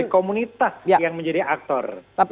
jadi komunitas yang menjadi aktor